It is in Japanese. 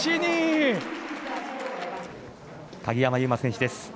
鍵山優真選手です。